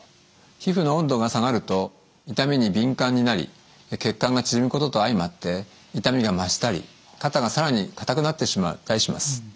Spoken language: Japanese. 皮膚の温度が下がると痛みに敏感になり血管が縮むことと相まって痛みが増したり肩が更に硬くなってしまったりします。